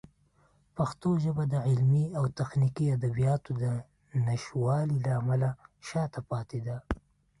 پښتو ژبه د علمي او تخنیکي ادبیاتو د نشتوالي له امله شاته پاتې ده.